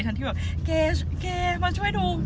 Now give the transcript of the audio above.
ที่แบบเก๋มาช่วยดู